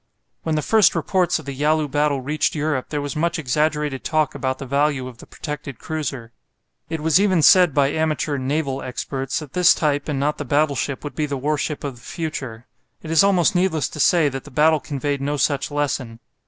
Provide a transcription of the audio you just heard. When the first reports of the Yalu battle reached Europe there was much exaggerated talk about the value of the protected cruiser. It was even said by amateur "naval experts" that this type and not the battleship would be the warship of the future. It is almost needless to say that the battle conveyed no such lesson.